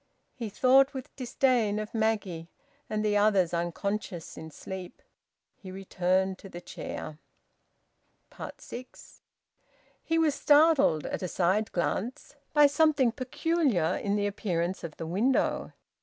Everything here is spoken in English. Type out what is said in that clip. He thought with disdain of Maggie and the others unconscious in sleep. He returned to the chair. SIX. He was startled, at a side glance, by something peculiar in the appearance of the window.